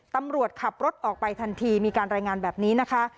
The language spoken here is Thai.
ตำรวจขับรถออกไปทันทีมีการรายงานแบบนี้นะคะ